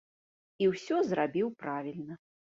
І ўсё зрабіў правільна.